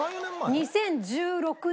２０１６年。